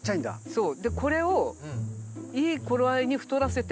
そう。